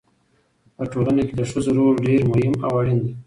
په ټولنه کې د ښځو رول ډېر مهم او اړین دی.